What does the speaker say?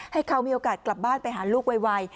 ให้เขามีโอกาสกลับบ้านไปหาลูกไว